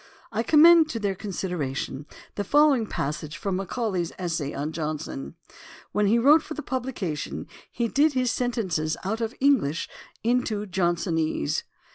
I conunend to their consideration the following passage from Macaulay's Essay on Johnson: When he wrote for publication, he did his sentences out of English into Johnsonese.